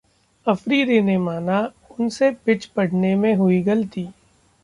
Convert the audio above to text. अफरीदी ने माना, उनसे पिच पढ़ने में हुई गलती